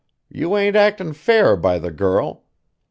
You ain't actin' fair by the girl.